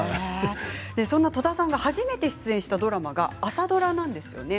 そんな戸田さんが初めて出演したドラマが朝ドラなんです。